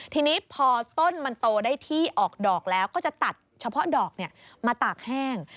ทีนี้พอต้นมันโตได้ที่ออกดอกแล้วก็จะตัดเฉพาะดอกมาตากแห้ง